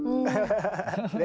ハハハハ。ね？